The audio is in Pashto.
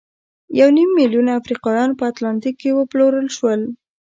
یو نیم میلیون افریقایان په اتلانتیک کې وپلورل شول.